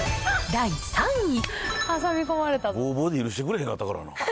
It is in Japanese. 第３位。